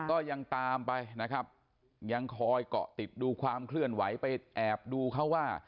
ก็ยังตามไปนะครับยังคอยเกาะติดดูความเคลื่อนไหวไปแอบดูเขาว่า